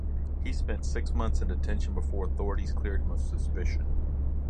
He spent six months in detention before authorities cleared him of suspicion.